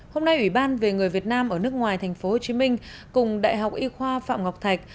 hôm nay ủy ban về người việt nam ở nước ngoài tp hcm cùng đại học y khoa phạm ngọc thạch